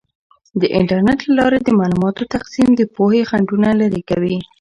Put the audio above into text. د انټرنیټ له لارې د معلوماتو تقسیم د پوهې خنډونه لرې کوي.